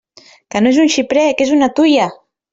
Que no és un xiprer, que és una tuia!